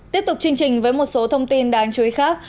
tiếp tục chương trình với một số thông tin đáng chú ý khác